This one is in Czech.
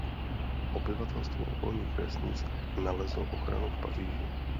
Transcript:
Obyvatelstvo okolních vesnic nalezlo ochranu v Paříži.